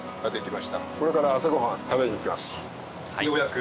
ようやく。